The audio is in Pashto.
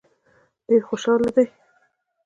ډېر خوشاله دي.